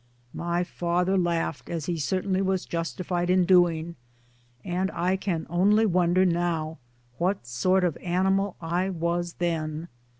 My father laughed, as he cer tainly was justified in doing and I can only wonder now what sort of animal I was then.